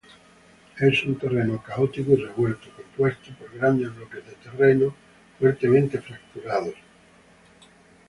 Es un terreno caótico y revuelto, compuesto por grandes bloques de terreno fuertemente fracturados.